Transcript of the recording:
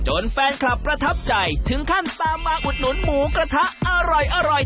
แฟนคลับประทับใจถึงขั้นตามมาอุดหนุนหมูกระทะอร่อย